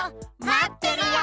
まってるよ！